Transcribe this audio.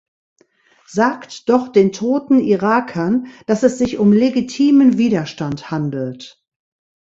Sagt doch den toten Irakern, dass es sich um legitimen Widerstand handelt!